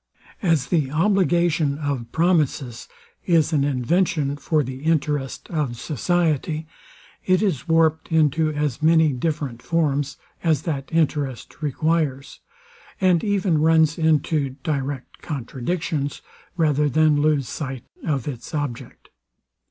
As the obligation of promises is an invention for the interest of society, it is warped into as many different forms as that interest requires, and even runs into direct contradictions, rather than lose sight of its object.